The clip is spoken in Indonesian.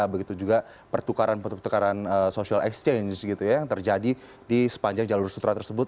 begitu juga pertukaran pertukaran social exchange yang terjadi di sepanjang jalur sutra tersebut